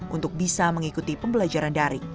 untuk bisa mengikuti pembelajaran dari